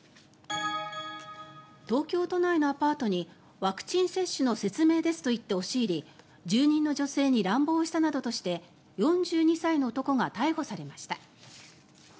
東京都内のアパートにワクチン接種の説明ですと言って押し入り住人の女性に乱暴したなどとして４２歳の男が逮捕されました。